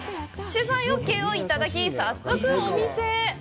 取材ＯＫをいただき、早速、お店へ。